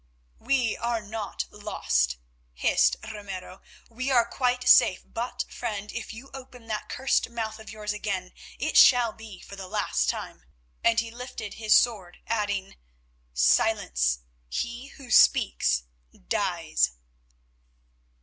"We are not lost," hissed Ramiro, "we are quite safe, but, friend, if you open that cursed mouth of yours again it shall be for the last time," and he lifted his sword, adding, "Silence; he who speaks, dies."